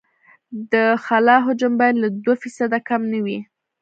د خلا حجم باید له دوه فیصده کم نه وي